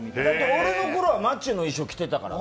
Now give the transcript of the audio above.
俺のころはマッチの衣装着てたからね。